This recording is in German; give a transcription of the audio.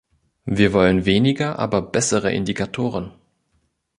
Wir wollen weniger, aber bessere Indikatoren.